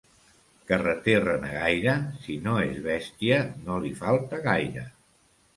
Carreter renegaire, si no és bèstia no li falta gaire.